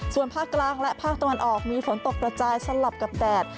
ส่วนภาคกลางและภาคตะวันออกมีฝนตกกระจายสลับกับแดด